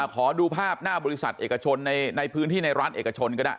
ขอดูภาพหน้าบริษัทเอกชนในพื้นที่ในร้านเอกชนก็ได้